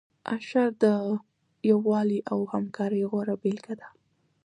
اشر د یووالي او همکارۍ غوره بیلګه ده.